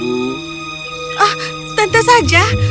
ah tentu saja